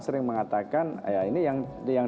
sering mengatakan ya ini yang